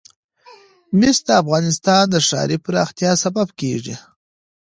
مس د افغانستان د ښاري پراختیا سبب کېږي.